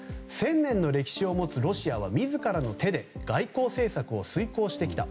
１０００年の歴史を持つロシアは自らの手で外交政策を遂行してきた。